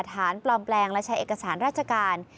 ปลอมแปลงและใช้เอกสารราชการ